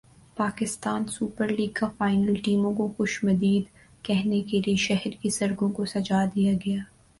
Pakistan super league کا final ٹیموں کو خوش مدید کہنے کے لئے شہر کی سڑکوں کوسجا دیا گیا